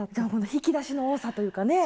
引き出しの多さというかね